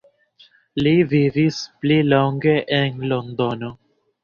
Li vivis pli longe en Londono.